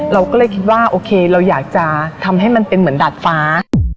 เราก็เลยคิดว่าโอเคเราอยากจะทำให้มันเป็นเหมือนดาดฟ้า